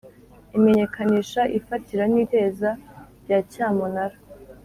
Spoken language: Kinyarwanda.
Imenyekanisha ifatira n iteza rya cyamunara